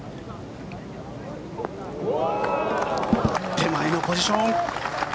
手前のポジション。